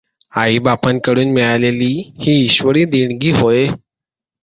आईबापांकडून मिळालेली ही ईश्वरी देणगी होय.